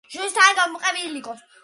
შეინიშნება აღმოსავლეთ კედლის საძირკველი.